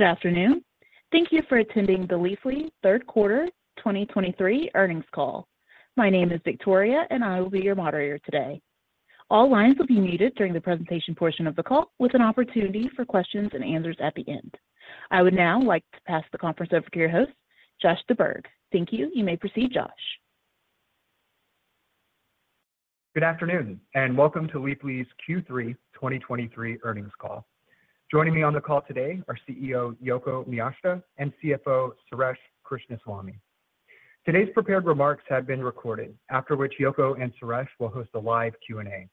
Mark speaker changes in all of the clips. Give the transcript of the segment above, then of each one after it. Speaker 1: Good afternoon. Thank you for attending the Leafly Q3 2023 earnings call. My name is Victoria, and I will be your moderator today. All lines will be muted during the presentation portion of the call, with an opportunity for questions and answers at the end. I would now like to pass the conference over to your host, Josh deBerge. Thank you. You may proceed, Josh.
Speaker 2: Good afternoon, and welcome to Leafly's Q3 2023 earnings call. Joining me on the call today are CEO, Yoko Miyashita, and CFO, Suresh Krishnaswamy. Today's prepared remarks have been recorded, after which Yoko and Suresh will host a live Q&A.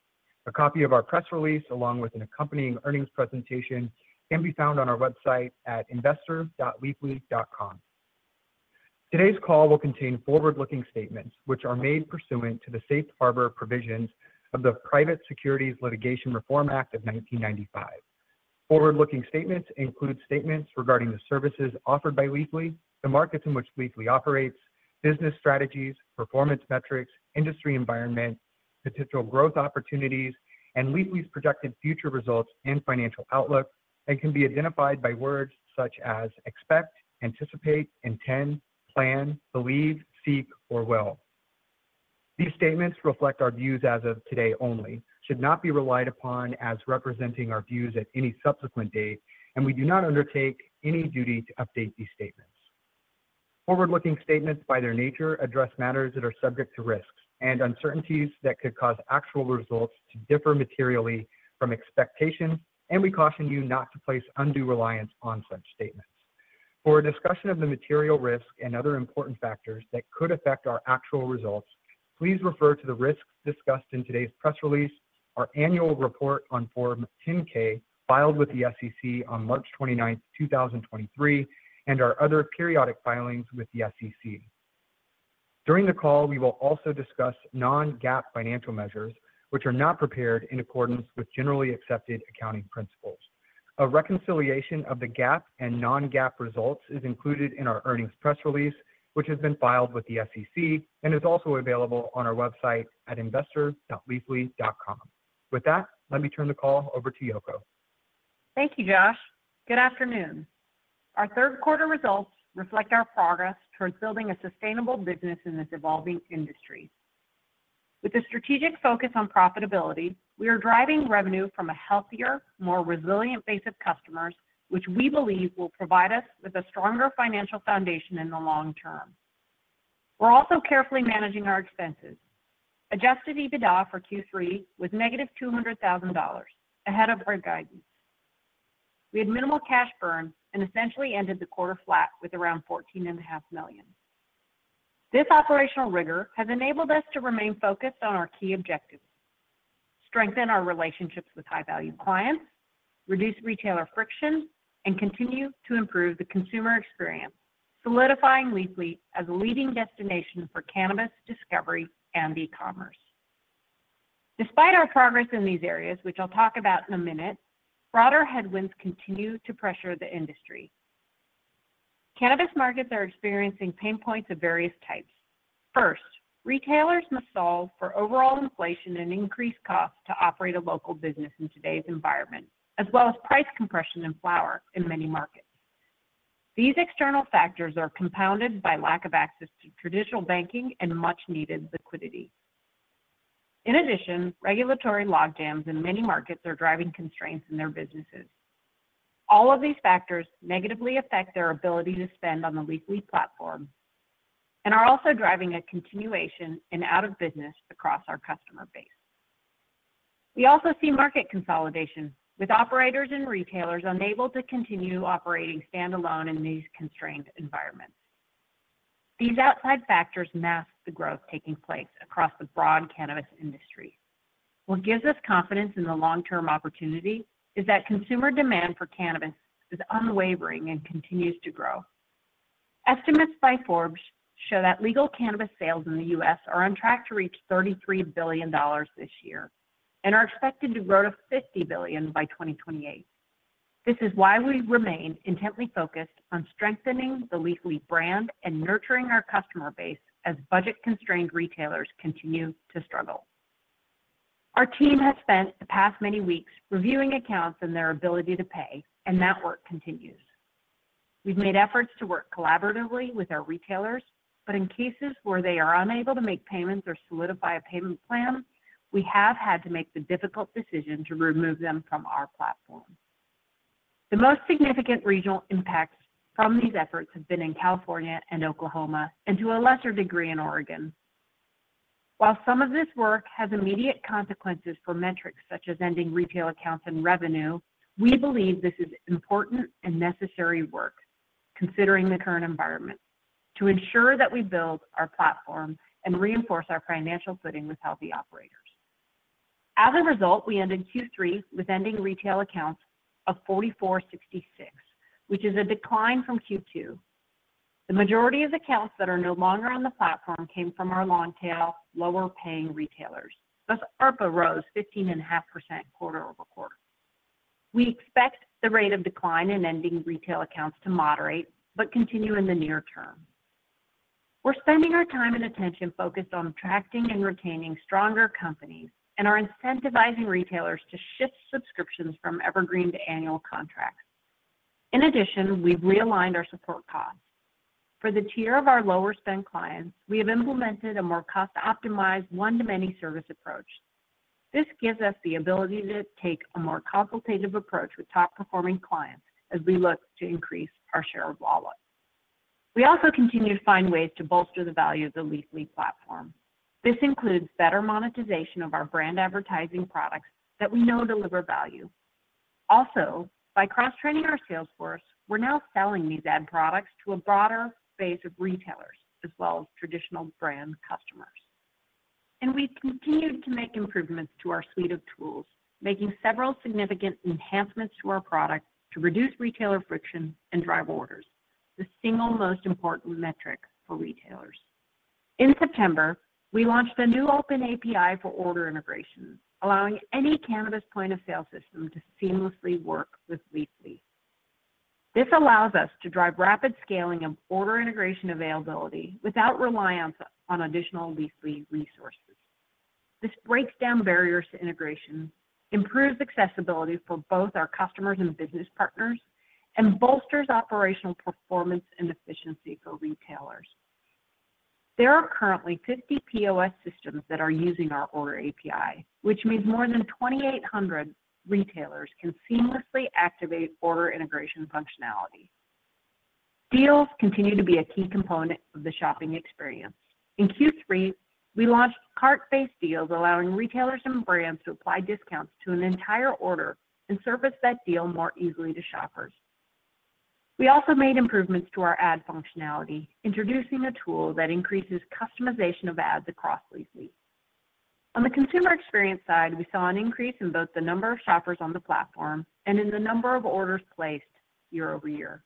Speaker 2: A copy of our press release, along with an accompanying earnings presentation, can be found on our website at investor.leafly.com. Today's call will contain forward-looking statements which are made pursuant to the Safe Harbor Provisions of the Private Securities Litigation Reform Act of 1995. Forward-looking statements include statements regarding the services offered by Leafly, the markets in which Leafly operates, business strategies, performance metrics, industry environment, potential growth opportunities, and Leafly's projected future results and financial outlook, and can be identified by words such as expect, anticipate, intend, plan, believe, seek, or will. These statements reflect our views as of today only, should not be relied upon as representing our views at any subsequent date, and we do not undertake any duty to update these statements. Forward-looking statements, by their nature, address matters that are subject to risks and uncertainties that could cause actual results to differ materially from expectations, and we caution you not to place undue reliance on such statements. For a discussion of the material risks and other important factors that could affect our actual results, please refer to the risks discussed in today's press release, our annual report on Form 10-K, filed with the SEC on March 29, 2023, and our other periodic filings with the SEC. During the call, we will also discuss non-GAAP financial measures, which are not prepared in accordance with generally accepted accounting principles. A reconciliation of the GAAP and non-GAAP results is included in our earnings press release, which has been filed with the SEC and is also available on our website at investor.leafly.com. With that, let me turn the call over to Yoko.
Speaker 3: Thank you, Josh. Good afternoon. Our Q3 results reflect our progress towards building a sustainable business in this evolving industry. With a strategic focus on profitability, we are driving revenue from a healthier, more resilient base of customers, which we believe will provide us with a stronger financial foundation in the long term. We're also carefully managing our expenses. Adjusted EBITDA for Q3 was -$200,000, ahead of our guidance. We had minimal cash burn and essentially ended the quarter flat with around $14.5 million. This operational rigor has enabled us to remain focused on our key objectives: strengthen our relationships with high-value clients, reduce retailer friction, and continue to improve the consumer experience, solidifying Leafly as a leading destination for cannabis discovery and e-commerce. Despite our progress in these areas, which I'll talk about in a minute, broader headwinds continue to pressure the industry. Cannabis markets are experiencing pain points of various types. First, retailers must solve for overall inflation and increased costs to operate a local business in today's environment, as well as price compression in flower in many markets. These external factors are compounded by lack of access to traditional banking and much-needed liquidity. In addition, regulatory logjams in many markets are driving constraints in their businesses. All of these factors negatively affect their ability to spend on the Leafly platform and are also driving a continuation in out of business across our customer base. We also see market consolidation, with operators and retailers unable to continue operating standalone in these constrained environments. These outside factors mask the growth taking place across the broad cannabis industry. What gives us confidence in the long-term opportunity is that consumer demand for cannabis is unwavering and continues to grow. Estimates by Forbes show that legal cannabis sales in the U.S. are on track to reach $33 billion this year, and are expected to grow to $50 billion by 2028. This is why we remain intently focused on strengthening the Leafly brand and nurturing our customer base as budget-constrained retailers continue to struggle. Our team has spent the past many weeks reviewing accounts and their ability to pay, and that work continues. We've made efforts to work collaboratively with our retailers, but in cases where they are unable to make payments or solidify a payment plan, we have had to make the difficult decision to remove them from our platform. The most significant regional impacts from these efforts have been in California and Oklahoma, and to a lesser degree, in Oregon. While some of this work has immediate consequences for metrics such as ending retail accounts and revenue, we believe this is important and necessary work, considering the current environment, to ensure that we build our platform and reinforce our financial footing with healthy operators. As a result, we ended Q3 with ending retail accounts of 4,466, which is a decline from Q2. The majority of accounts that are no longer on the platform came from our long tail, lower-paying retailers, thus ARPA rose 15.5% quarter-over-quarter. We expect the rate of decline in ending retail accounts to moderate, but continue in the near term. We're spending our time and attention focused on attracting and retaining stronger companies, and are incentivizing retailers to shift subscriptions from evergreen to annual contracts. In addition, we've realigned our support costs. For the tier of our lower-spend clients, we have implemented a more cost-optimized one-to-many service approach. This gives us the ability to take a more consultative approach with top-performing clients as we look to increase our share of wallet. We also continue to find ways to bolster the value of the Leafly platform. This includes better monetization of our brand advertising products that we know deliver value. Also, by cross-training our sales force, we're now selling these ad products to a broader base of retailers, as well as traditional brand customers. We've continued to make improvements to our suite of tools, making several significant enhancements to our product to reduce retailer friction and drive orders, the single most important metric for retailers. In September, we launched a new open API for order integrations, allowing any cannabis point-of-sale system to seamlessly work with Leafly. This allows us to drive rapid scaling and order integration availability without reliance on additional Leafly resources. This breaks down barriers to integration, improves accessibility for both our customers and business partners, and bolsters operational performance and efficiency for retailers. There are currently 50 POS systems that are using our order API, which means more than 2,800 retailers can seamlessly activate order integration functionality. Deals continue to be a key component of the shopping experience. In Q3, we launched cart-based deals, allowing retailers and brands to apply discounts to an entire order and surface that deal more easily to shoppers. We also made improvements to our ad functionality, introducing a tool that increases customization of ads across Leafly. On the consumer experience side, we saw an increase in both the number of shoppers on the platform and in the number of orders placed year-over-year.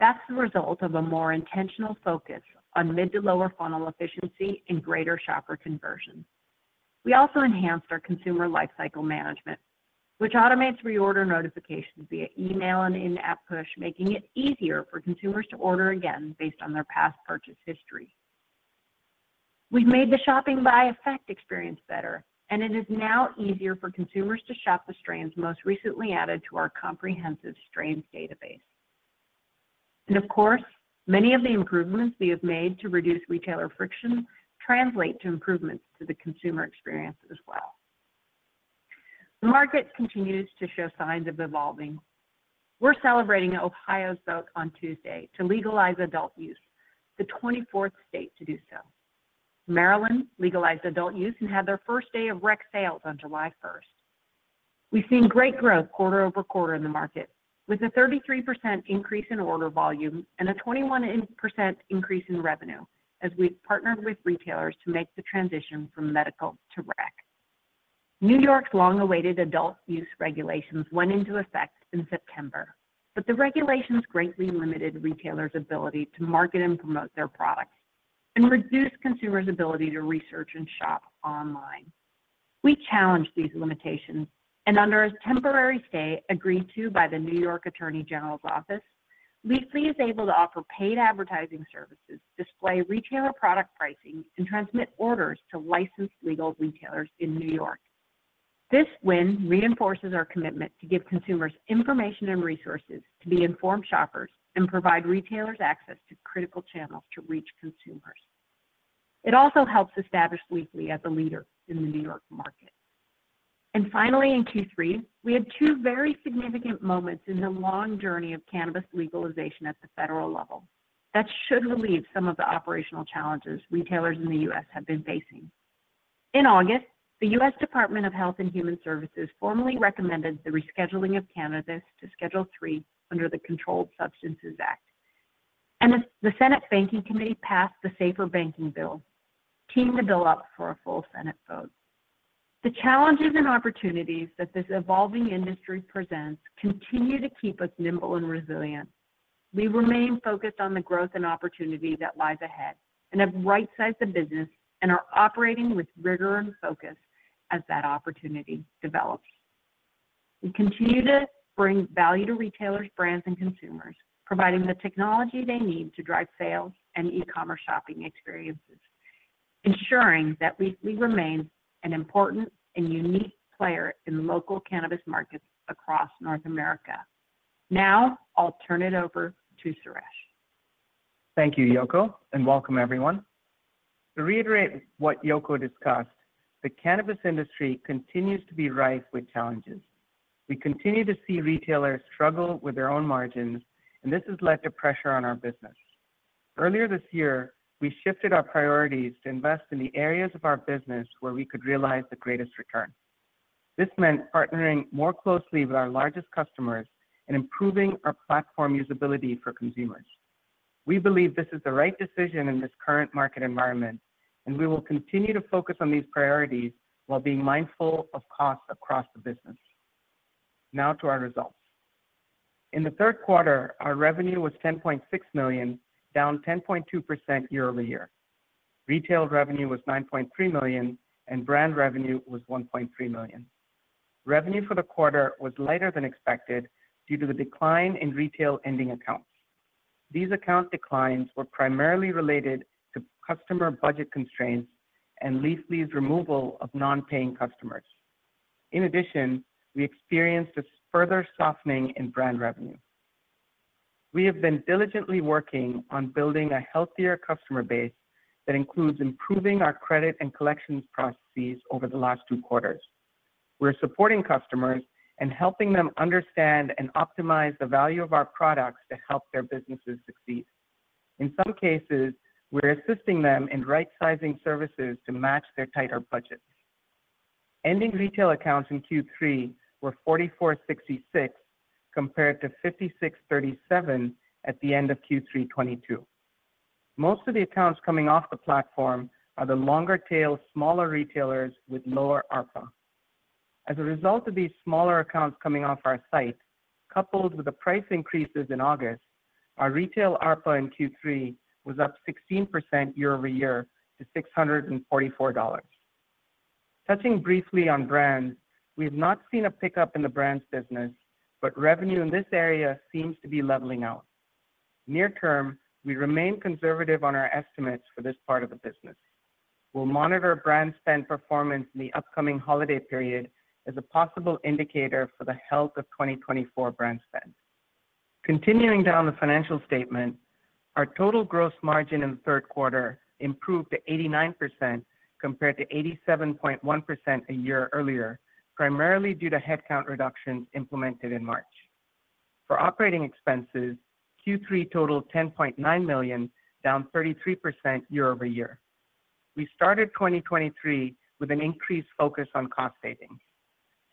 Speaker 3: That's the result of a more intentional focus on mid to lower funnel efficiency and greater shopper conversion. We also enhanced our consumer lifecycle management, which automates reorder notifications via email and in-app push, making it easier for consumers to order again based on their past purchase history. We've made the shopping by effect experience better, and it is now easier for consumers to shop the strains most recently added to our comprehensive strains database. Of course, many of the improvements we have made to reduce retailer friction translate to improvements to the consumer experience as well. The market continues to show signs of evolving. We're celebrating Ohio's vote on Tuesday to legalize adult use, the 24th state to do so. Maryland legalized adult use and had their first day of rec sales on July 1. We've seen great growth quarter-over-quarter in the market, with a 33% increase in order volume and a 21% increase in revenue as we've partnered with retailers to make the transition from medical to rec. New York's long-awaited adult use regulations went into effect in September, but the regulations greatly limited retailers' ability to market and promote their products and reduced consumers' ability to research and shop online. We challenged these limitations, and under a temporary stay agreed to by the New York Attorney General's office, Leafly is able to offer paid advertising services, display retailer product pricing, and transmit orders to licensed legal retailers in New York. This win reinforces our commitment to give consumers information and resources to be informed shoppers and provide retailers access to critical channels to reach consumers. It also helps establish Leafly as a leader in the New York market. And finally, in Q3, we had two very significant moments in the long journey of cannabis legalization at the federal level that should relieve some of the operational challenges retailers in the U.S. have been facing. In August, the U.S. Department of Health and Human Services formally recommended the rescheduling of cannabis to Schedule III under the Controlled Substances Act. The Senate Banking Committee passed the SAFER Banking Bill, teeing the bill up for a full Senate vote. The challenges and opportunities that this evolving industry presents continue to keep us nimble and resilient. We remain focused on the growth and opportunity that lies ahead and have right-sized the business and are operating with rigor and focus as that opportunity develops. We continue to bring value to retailers, brands, and consumers, providing the technology they need to drive sales and e-commerce shopping experiences, ensuring that Leafly remains an important and unique player in local cannabis markets across North America. Now, I'll turn it over to Suresh.
Speaker 4: Thank you, Yoko, and welcome everyone. To reiterate what Yoko discussed, the cannabis industry continues to be rife with challenges. We continue to see retailers struggle with their own margins, and this has led to pressure on our business. Earlier this year, we shifted our priorities to invest in the areas of our business where we could realize the greatest return. This meant partnering more closely with our largest customers and improving our platform usability for consumers. We believe this is the right decision in this current market environment, and we will continue to focus on these priorities while being mindful of costs across the business. Now to our results. In the Q3, our revenue was $10.6 million, down 10.2% year-over-year. Retail revenue was $9.3 million, and brand revenue was $1.3 million. Revenue for the quarter was lighter than expected due to the decline in retail ending accounts. These account declines were primarily related to customer budget constraints and Leafly's removal of non-paying customers. In addition, we experienced a further softening in brand revenue. We have been diligently working on building a healthier customer base that includes improving our credit and collections processes over the last two quarters. We're supporting customers and helping them understand and optimize the value of our products to help their businesses succeed. In some cases, we're assisting them in right-sizing services to match their tighter budgets. Ending retail accounts in Q3 were 4,466, compared to 5,637 at the end of Q3 2022. Most of the accounts coming off the platform are the longer tail, smaller retailers with lower ARPA. As a result of these smaller accounts coming off our site, coupled with the price increases in August, our retail ARPA in Q3 was up 16% year-over-year to $644. Touching briefly on brands, we have not seen a pickup in the brands business, but revenue in this area seems to be leveling out. Near term, we remain conservative on our estimates for this part of the business. We'll monitor brand spend performance in the upcoming holiday period as a possible indicator for the health of 2024 brand spend. Continuing down the financial statement, our total gross margin in the Q3 improved to 89%, compared to 87.1% a year earlier, primarily due to headcount reductions implemented in March. For operating expenses, Q3 totaled $10.9 million, down 33% year-over-year. We started 2023 with an increased focus on cost savings.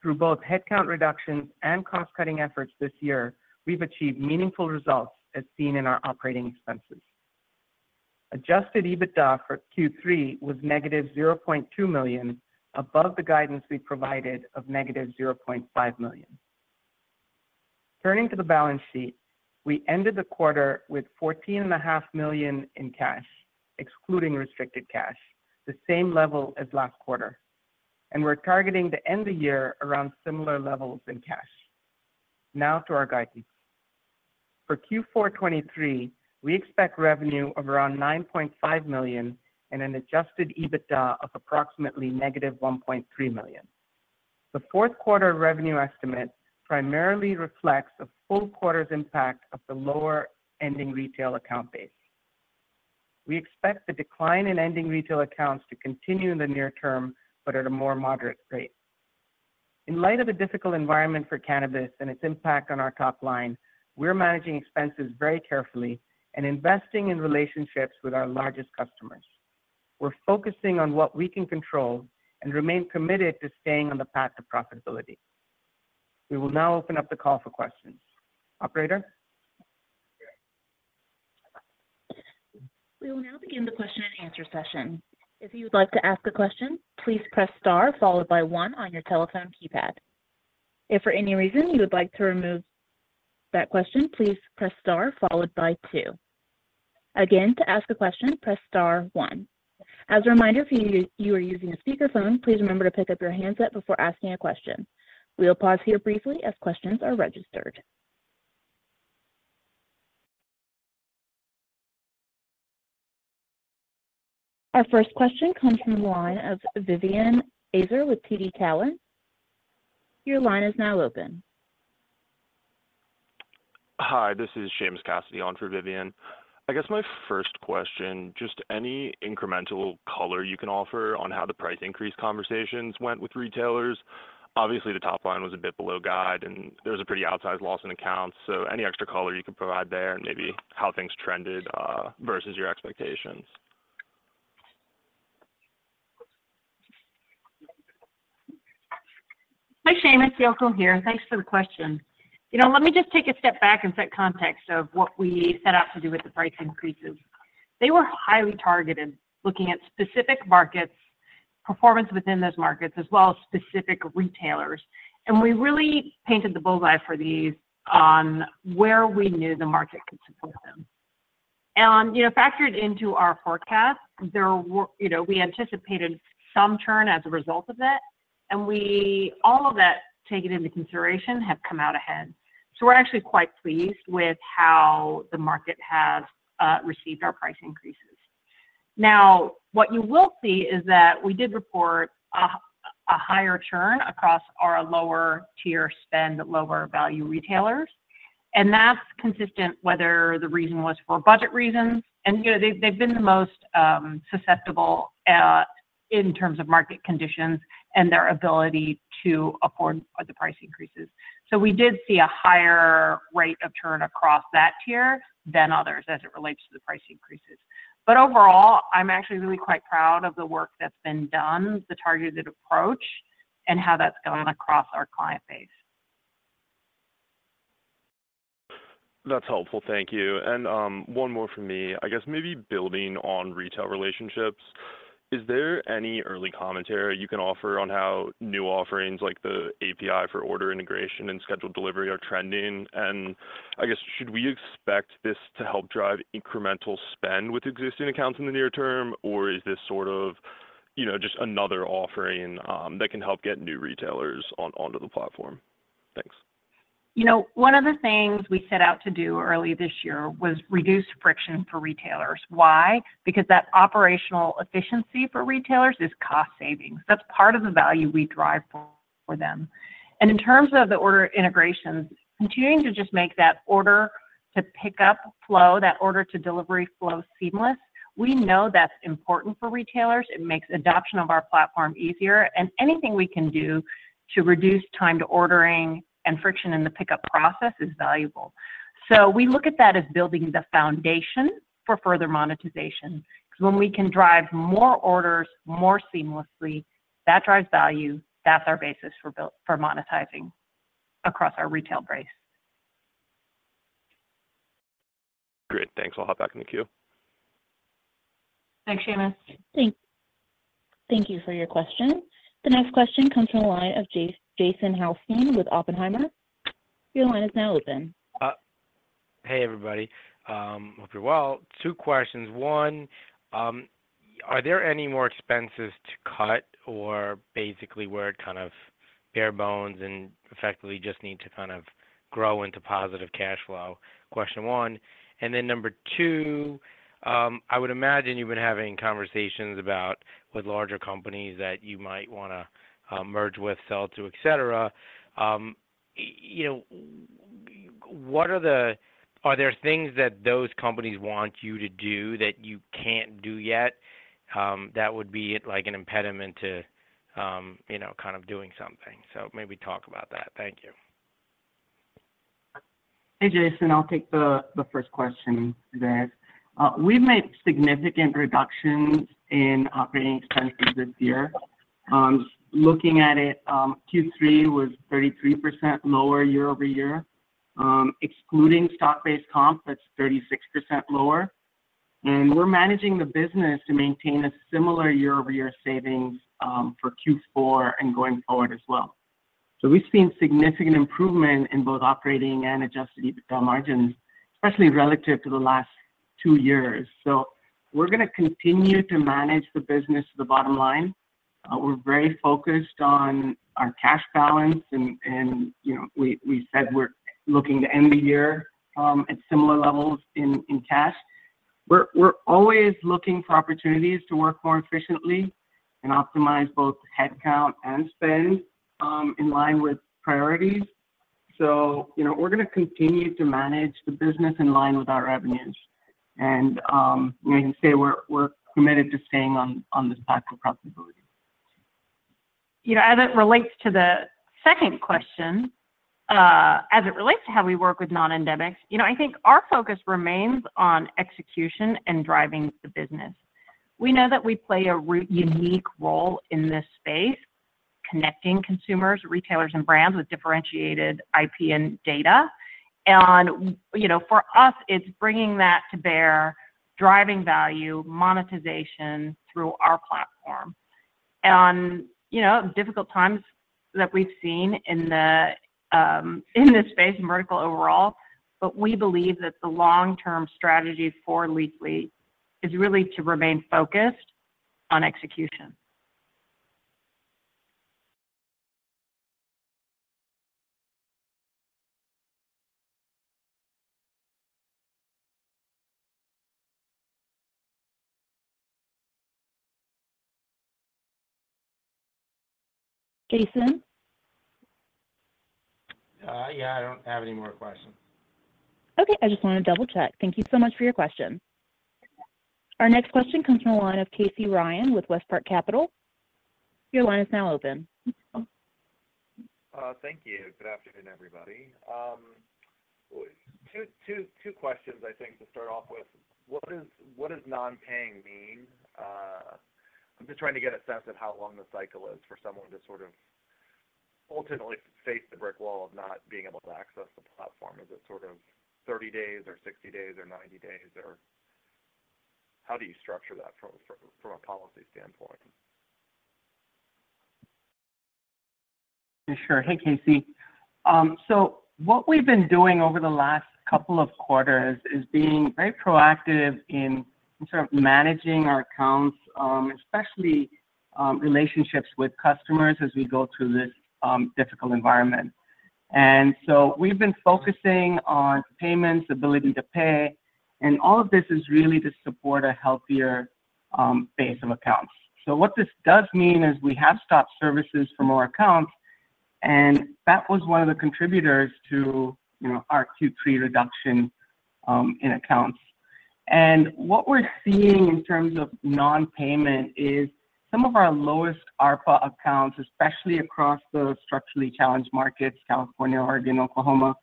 Speaker 4: Through both headcount reductions and cost-cutting efforts this year, we've achieved meaningful results, as seen in our operating expenses. Adjusted EBITDA for Q3 was -$0.2 million, above the guidance we provided of -$0.5 million. Turning to the balance sheet, we ended the quarter with $14.5 million in cash, excluding restricted cash, the same level as last quarter, and we're targeting to end the year around similar levels in cash. Now to our guidance. For Q4 2023, we expect revenue of around $9.5 million and an Adjusted EBITDA of approximately -$1.3 million. The Q4 revenue estimate primarily reflects a full quarter's impact of the lower ending retail account base. We expect the decline in ending retail accounts to continue in the near term, but at a more moderate rate. In light of the difficult environment for cannabis and its impact on our top line, we're managing expenses very carefully and investing in relationships with our largest customers. We're focusing on what we can control and remain committed to staying on the path to profitability. We will now open up the call for questions. Operator?
Speaker 1: We will now begin the question-and-answer session. If you would like to ask a question, please press star followed by one on your telephone keypad. If for any reason you would like to remove that question, please press star followed by two. Again, to ask a question, press star one. As a reminder, if you are using a speakerphone, please remember to pick up your handset before asking a question. We'll pause here briefly as questions are registered. Our first question comes from the line of Vivian Azer with TD Cowen. Your line is now open.
Speaker 5: Hi, this is Seamus Cassidy on for Vivian. I guess my first question, just any incremental color you can offer on how the price increase conversations went with retailers? Obviously, the top line was a bit below guide, and there was a pretty outsized loss in accounts. So any extra color you can provide there, and maybe how things trended versus your expectations?
Speaker 3: Hi, Seamus, Yoko here. Thanks for the question. You know, let me just take a step back and set context of what we set out to do with the price increases. They were highly targeted, looking at specific markets, performance within those markets, as well as specific retailers. And we really painted the bullseye for these on where we knew the market could support them. And, you know, factored into our forecast, there were- you know, we anticipated some churn as a result of it, and we all of that taken into consideration, have come out ahead. So we're actually quite pleased with how the market has received our price increases. Now, what you will see is that we did report a higher churn across our lower-tier spend, lower-value retailers, and that's consistent, whether the reason was for budget reasons, and, you know, they've been the most susceptible in terms of market conditions and their ability to afford the price increases. So we did see a higher rate of churn across that tier than others as it relates to the price increases. But overall, I'm actually really quite proud of the work that's been done, the targeted approach, and how that's gone across our client base.
Speaker 5: That's helpful. Thank you. And, one more from me. I guess maybe building on retail relationships, is there any early commentary you can offer on how new offerings like the API for order integration and scheduled delivery are trending? And I guess, should we expect this to help drive incremental spend with existing accounts in the near term, or is this sort of, you know, just another offering, that can help get new retailers on, onto the platform? Thanks.
Speaker 3: You know, one of the things we set out to do early this year was reduce friction for retailers. Why? Because that operational efficiency for retailers is cost savings. That's part of the value we drive for, for them. In terms of the order integrations, continuing to just make that order to pick up flow, that order to delivery flow seamless, we know that's important for retailers. It makes adoption of our platform easier, and anything we can do to reduce time to ordering and friction in the pickup process is valuable. We look at that as building the foundation for further monetization, because when we can drive more orders, more seamlessly, that drives value. That's our basis for build for monetizing across our retail base.
Speaker 5: Great, thanks. I'll hop back in the queue.
Speaker 3: Thanks, Seamus.
Speaker 1: Thank you for your question. The next question comes from the line of Jason Helfstein with Oppenheimer. Your line is now open.
Speaker 6: Hey, everybody, hope you're well. Two questions. One, are there any more expenses to cut or basically we're kind of bare bones and effectively just need to kind of grow into positive cash flow? Question one, and then number two, I would imagine you've been having conversations about with larger companies that you might wanna merge with, sell to, et cetera. You know, what are the- are there things that those companies want you to do that you can't do yet, that would be, like, an impediment to, you know, kind of doing something? So maybe talk about that. Thank you.
Speaker 4: Hey, Jason, I'll take the first question there. We've made significant reductions in operating expenses this year. Looking at it, Q3 was 33% lower year-over-year. Excluding stock-based comp, that's 36% lower, and we're managing the business to maintain a similar year-over-year savings for Q4 and going forward as well. So we've seen significant improvement in both operating and Adjusted EBITDA margins, especially relative to the last two years. So we're gonna continue to manage the business to the bottom line. We're very focused on our cash balance and, you know, we said we're looking to end the year at similar levels in cash. We're always looking for opportunities to work more efficiently and optimize both headcount and spend in line with priorities. So, you know, we're gonna continue to manage the business in line with our revenues. We can say we're committed to staying on this path of profitability.
Speaker 3: You know, as it relates to the second question, as it relates to how we work with non-endemics, you know, I think our focus remains on execution and driving the business. We know that we play a unique role in this space, connecting consumers, retailers, and brands with differentiated IP and data. And, you know, for us, it's bringing that to bear, driving value, monetization through our platform. And, you know, difficult times that we've seen in the, in this space and vertical overall, but we believe that the long-term strategy for Leafly is really to remain focused on execution.
Speaker 1: Jason?
Speaker 6: Yeah, I don't have any more questions.
Speaker 1: Okay, I just wanted to double-check. Thank you so much for your question. Our next question comes from the line of Casey Ryan with WestPark Capital. Your line is now open.
Speaker 7: Thank you. Good afternoon, everybody. Two questions, I think, to start off with. What does non-paying mean? I'm just trying to get a sense of how long the cycle is for someone to sort of ultimately face the brick wall of not being able to access the platform. Is it sort of 30 days or 60 days or 90 days, or how do you structure that from a policy standpoint?
Speaker 4: Sure. Hey, Casey. So what we've been doing over the last couple of quarters is being very proactive in sort of managing our accounts, especially relationships with customers as we go through this difficult environment. And so we've been focusing on payments, ability to pay, and all of this is really to support a healthier base of accounts. So what this does mean is we have stopped services from our accounts, and that was one of the contributors to, you know, our Q3 reduction in accounts. And what we're seeing in terms of non-payment is some of our lowest ARPA accounts, especially across the structurally challenged markets, California, Oregon, Oklahoma,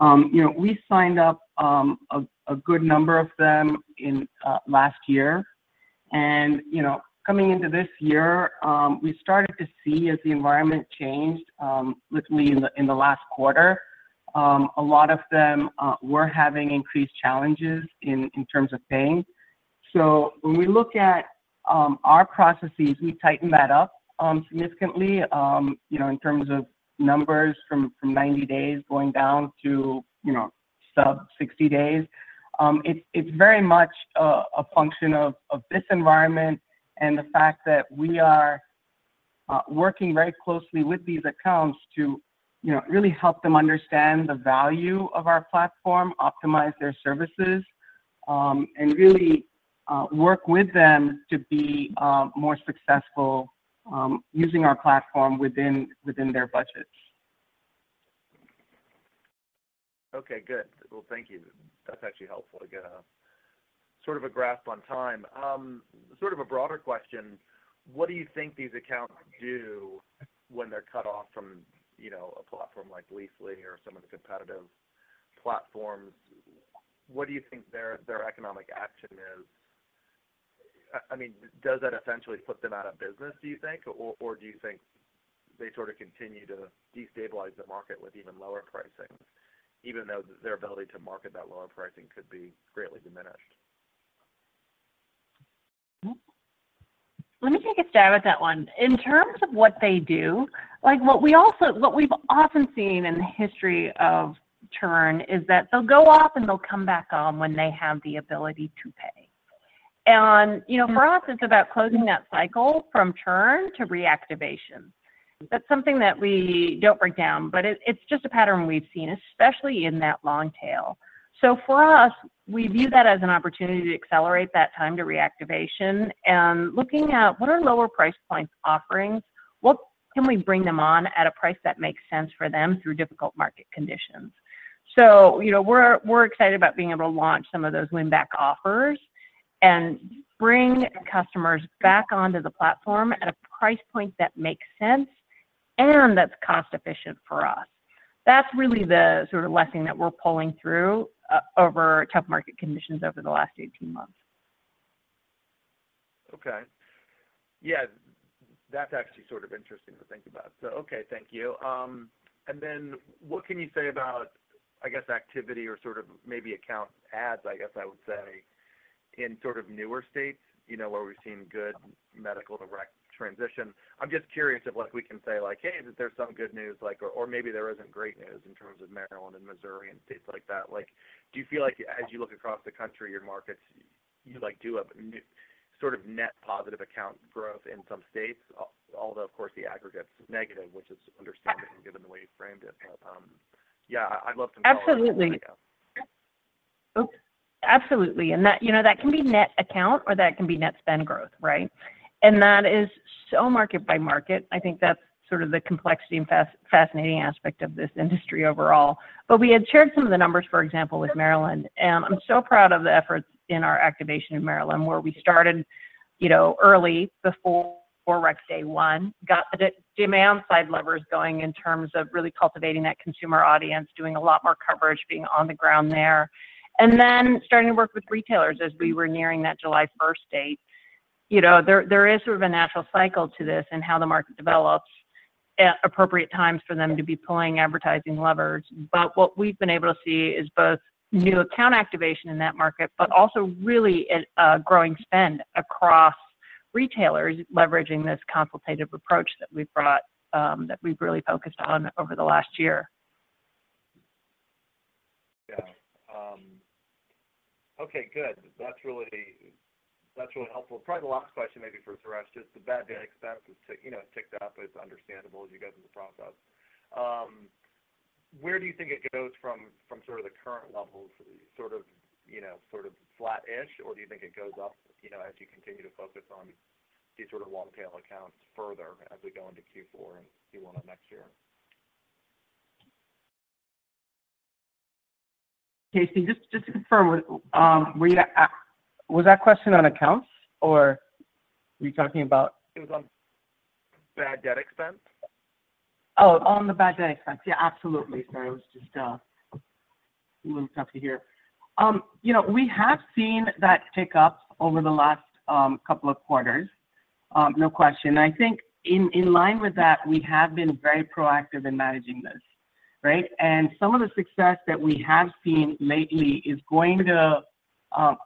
Speaker 4: you know, we signed up a good number of them in last year. You know, coming into this year, we started to see as the environment changed, literally in the last quarter. A lot of them were having increased challenges in terms of paying. So when we look at our processes, we've tightened that up significantly, you know, in terms of numbers from 90 days going down to, you know, sub 60 days. It's very much a function of this environment and the fact that we are working very closely with these accounts to, you know, really help them understand the value of our platform, optimize their services, and really work with them to be more successful using our platform within their budgets.
Speaker 7: Okay, good. Well, thank you. That's actually helpful to get a sort of a grasp on time. Sort of a broader question, what do you think these accounts do when they're cut off from, you know, a platform like Leafly or some of the competitive platforms? What do you think their, their economic action is? I mean, does that essentially put them out of business, do you think? Or, or do you think they sort of continue to destabilize the market with even lower pricing, even though their ability to market that lower pricing could be greatly diminished?
Speaker 3: Let me take a stab at that one. In terms of what they do, like, what we've often seen in the history of churn is that they'll go off, and they'll come back on when they have the ability to pay. And, you know, for us, it's about closing that cycle from churn to reactivation. That's something that we don't break down, but it's just a pattern we've seen, especially in that long tail. So for us, we view that as an opportunity to accelerate that time to reactivation and looking at what are lower price points offerings, what can we bring them on at a price that makes sense for them through difficult market conditions? So, you know, we're, we're excited about being able to launch some of those win-back offers and bring customers back onto the platform at a price point that makes sense and that's cost-efficient for us. That's really the sort of lesson that we're pulling through over tough market conditions over the last 18 months.
Speaker 7: Okay. Yeah, that's actually sort of interesting to think about. So, okay, thank you. And then what can you say about, I guess, activity or sort of maybe account adds, I guess I would say, in sort of newer states, you know, where we've seen good medical-to-recreational transition? I'm just curious if, like, we can say, like, "Hey, there's some good news," like, or, or maybe there isn't great news in terms of Maryland and Missouri and states like that. Like, do you feel like as you look across the country, your markets, you like do a sort of net positive account growth in some states, although, of course, the aggregate's negative, which is understandable given the way you framed it. Yeah, I'd love some comments-
Speaker 3: Absolutely. Absolutely, and that, you know, that can be net account, or that can be net spend growth, right? And that is so market by market. I think that's sort of the complexity and fascinating aspect of this industry overall. But we had shared some of the numbers, for example, with Maryland, and I'm so proud of the efforts in our activation in Maryland, where we started, you know, early before rec day one, got the demand-side levers going in terms of really cultivating that consumer audience, doing a lot more coverage, being on the ground there, and then starting to work with retailers as we were nearing that July 1 date. You know, there is sort of a natural cycle to this and how the market develops at appropriate times for them to be pulling advertising levers. What we've been able to see is both new account activation in that market, but also really a growing spend across retailers leveraging this consultative approach that we've brought, that we've really focused on over the last year.
Speaker 7: Yeah. Okay, good. That's really, that's really helpful. Probably the last question, maybe for Suresh, just the bad debt expense, you know, ticked up, but it's understandable as you guys are in the process. Where do you think it goes from the current levels, sort of, you know, sort of flat-ish, or do you think it goes up, you know, as you continue to focus on these sort of long-tail accounts further as we go into Q4 and Q1 of next year?
Speaker 4: Casey, just, just to confirm, were you- was that question on accounts, or were you talking about?
Speaker 7: It was on bad debt expense.
Speaker 4: Oh, on the bad debt expense. Yeah, absolutely, sir. It was just, a little tough to hear. You know, we have seen that tick up over the last, couple of quarters, no question. I think in line with that, we have been very proactive in managing this, right? And some of the success that we have seen lately is going to,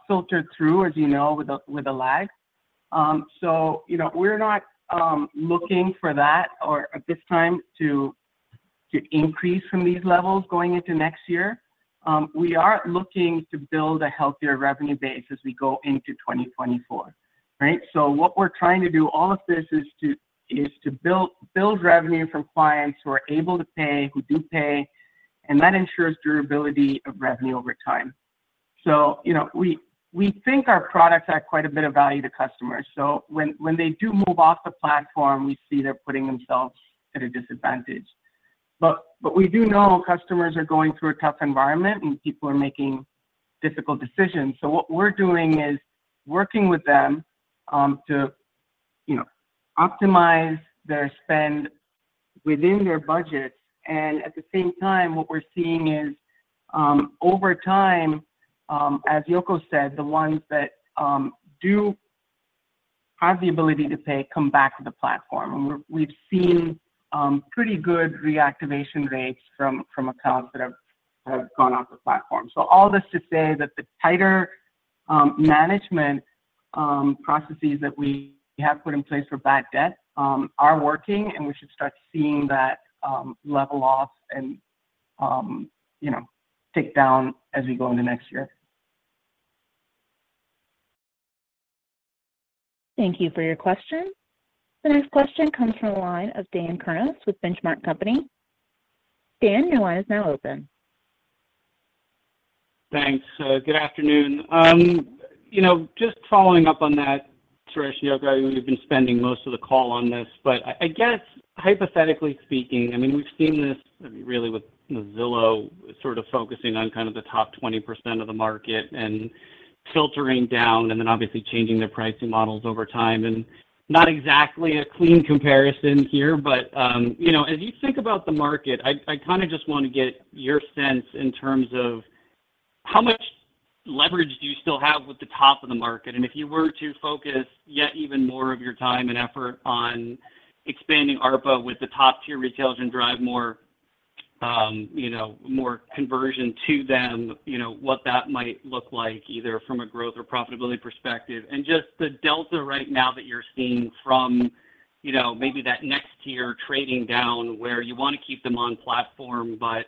Speaker 4: filter through, as you know, with a lag. So, you know, we're not, looking for that or at this time, to increase from these levels going into next year. We are looking to build a healthier revenue base as we go into 2024, right? So what we're trying to do, all of this is to build revenue from clients who are able to pay, who do pay, and that ensures durability of revenue over time. So, you know, we think our products add quite a bit of value to customers, so when they do move off the platform, we see they're putting themselves at a disadvantage. But we do know customers are going through a tough environment, and people are making difficult decisions. So what we're doing is working with them to, you know, optimize their spend within their budgets. And at the same time, what we're seeing is, over time, as Yoko said, the ones that do- have the ability to pay, come back to the platform. And we've seen pretty good reactivation rates from accounts that have gone off the platform. So all this to say that the tighter management processes that we have put in place for bad debt are working, and we should start seeing that level off and, you know, tick down as we go into next year.
Speaker 1: Thank you for your question. The next question comes from the line of Dan Kurnos with Benchmark Company. Dan, your line is now open.
Speaker 8: Thanks. So good afternoon. You know, just following up on that, Suresh, Yoko, I know you've been spending most of the call on this, but I, I guess, hypothetically speaking, I mean, we've seen this, I mean, really with Zillow sort of focusing on kind of the top 20% of the market and filtering down, and then obviously changing their pricing models over time. And not exactly a clean comparison here, but, you know, as you think about the market, I, I kind of just want to get your sense in terms of how much leverage do you still have with the top of the market? And if you were to focus yet even more of your time and effort on expanding ARPA with the top-tier retailers and drive more, you know, more conversion to them, you know, what that might look like, either from a growth or profitability perspective. And just the delta right now that you're seeing from, you know, maybe that next tier trading down, where you want to keep them on platform, but,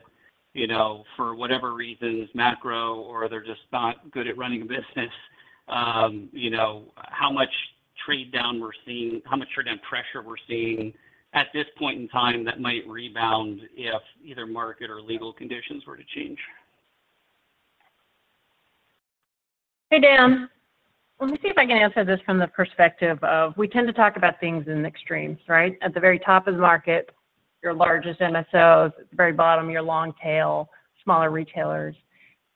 Speaker 8: you know, for whatever reasons, macro, or they're just not good at running a business, you know, how much trade-down we're seeing, how much trade-down pressure we're seeing at this point in time that might rebound if either market or legal conditions were to change?
Speaker 3: Hey, Dan. Let me see if I can answer this from the perspective of, we tend to talk about things in extremes, right? At the very top of the market, your largest MSOs, at the very bottom, your long tail, smaller retailers.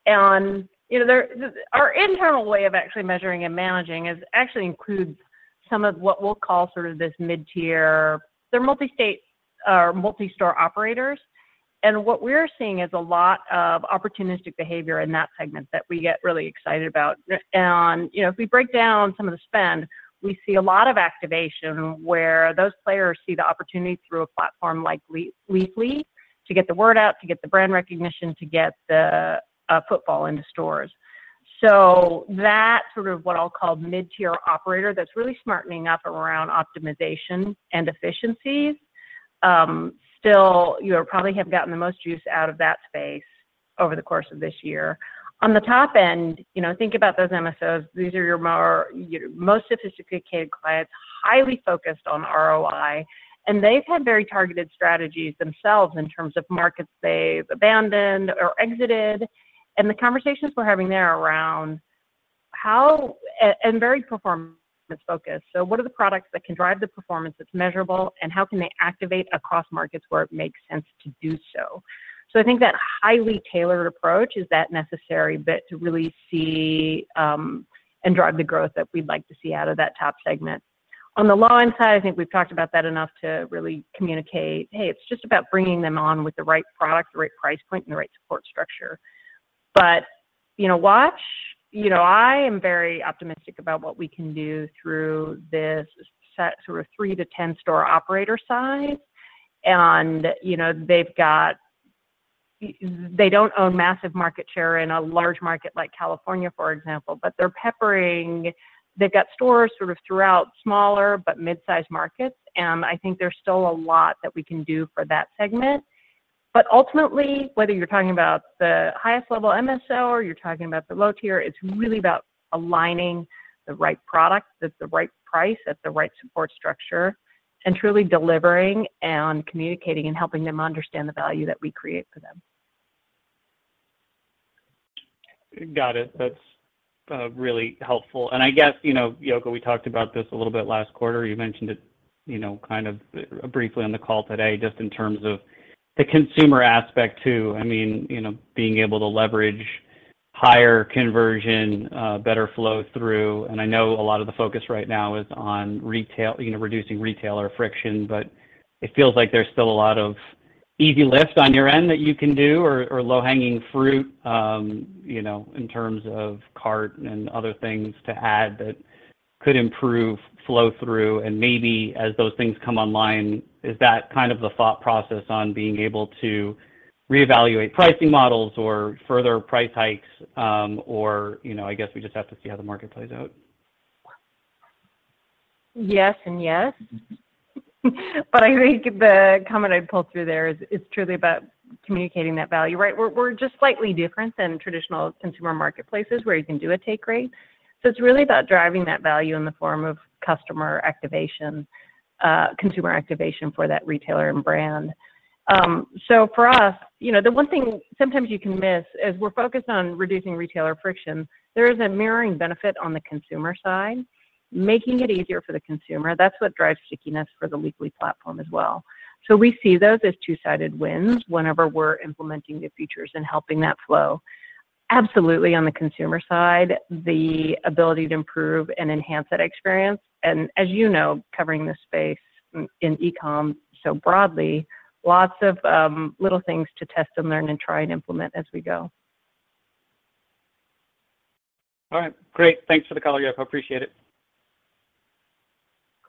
Speaker 3: And, you know, there, our internal way of actually measuring and managing actually includes some of what we'll call sort of this mid-tier. They're multi-state, or multi-store operators, and what we're seeing is a lot of opportunistic behavior in that segment that we get really excited about. And, you know, if we break down some of the spend, we see a lot of activation where those players see the opportunity through a platform like Leafly to get the word out, to get the brand recognition, to get the footprint into stores. So that sort of what I'll call mid-tier operator that's really smartening up around optimization and efficiencies, still, you know, probably have gotten the most use out of that space over the course of this year. On the top end, you know, think about those MSOs. These are your more, your most sophisticated clients, highly focused on ROI, and they've had very targeted strategies themselves in terms of markets they've abandoned or exited. And the conversations we're having there are around how and very performance focused. So what are the products that can drive the performance that's measurable, and how can they activate across markets where it makes sense to do so? So I think that highly tailored approach is that necessary bit to really see and drive the growth that we'd like to see out of that top segment. On the low end side, I think we've talked about that enough to really communicate, hey, it's just about bringing them on with the right product, the right price point, and the right support structure. But, you know, watch, you know, I am very optimistic about what we can do through this set, sort of 3-10-store operator size. And, you know, they've got- they don't own massive market share in a large market like California, for example, but they're peppering, they've got stores sort of throughout smaller but mid-sized markets, and I think there's still a lot that we can do for that segment. But ultimately, whether you're talking about the highest level MSO or you're talking about the low tier, it's really about aligning the right product at the right price, at the right support structure, and truly delivering and communicating and helping them understand the value that we create for them.
Speaker 8: Got it. That's really helpful. And I guess, you know, Yoko, we talked about this a little bit last quarter. You mentioned it, you know, kind of briefly on the call today, just in terms of the consumer aspect, too. I mean, you know, being able to leverage higher conversion, better flow through. And I know a lot of the focus right now is on retail, you know, reducing retailer friction, but it feels like there's still a lot of easy lift on your end that you can do, or low-hanging fruit, you know, in terms of cart and other things to add that could improve flow through. Maybe as those things come online, is that kind of the thought process on being able to reevaluate pricing models or further price hikes, or, you know, I guess we just have to see how the market plays out?
Speaker 3: Yes and yes. But I think the comment I'd pull through there is, it's truly about communicating that value, right? We're, we're just slightly different than traditional consumer marketplaces where you can do a take rate. So it's really about driving that value in the form of customer activation, consumer activation for that retailer and brand. So for us, you know, the one thing sometimes you can miss, as we're focused on reducing retailer friction, there is a mirroring benefit on the consumer side, making it easier for the consumer. That's what drives stickiness for the Leafly platform as well. So we see those as two-sided wins whenever we're implementing new features and helping that flow. Absolutely, on the consumer side, the ability to improve and enhance that experience, and as you know, covering this space in e-com so broadly, lots of little things to test and learn and try and implement as we go.
Speaker 8: All right. Great. Thanks for the call, Yoko. I appreciate it.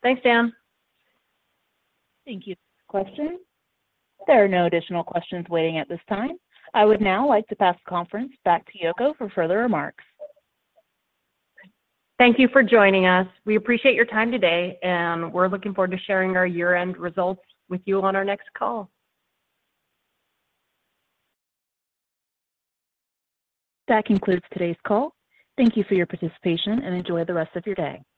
Speaker 3: Thanks, Dan.
Speaker 1: Thank you. Questions? There are no additional questions waiting at this time. I would now like to pass the conference back to Yoko for further remarks.
Speaker 3: Thank you for joining us. We appreciate your time today, and we're looking forward to sharing our year-end results with you on our next call.
Speaker 1: That concludes today's call. Thank you for your participation, and enjoy the rest of your day.